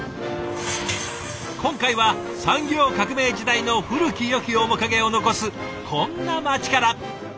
今回は産業革命時代の古きよき面影を残すこんな街から！